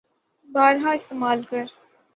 بارہا استعمال کر